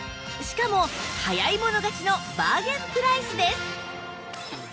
しかも早いもの勝ちのバーゲンプライスです